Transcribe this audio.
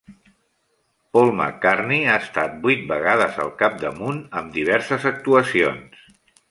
Paul McCartney ha estat vuit vegades al capdamunt amb diverses actuacions.